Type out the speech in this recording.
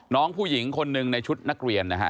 น้องผู้หญิงคนหนึ่งในชุดนักเรียนนะฮะ